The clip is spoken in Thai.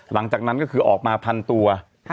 หลังจากนั้นก็คือออกมาพันตัว